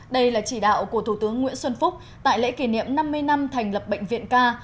đây là chỉ đạo của thủ tướng nguyễn xuân phúc tại lễ kỷ niệm năm mươi năm thành lập bệnh viện ca